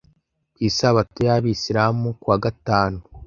Ku isabato y’Abisilamu (kuwa gatanu),